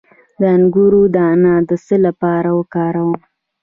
د انګور دانه د څه لپاره وکاروم؟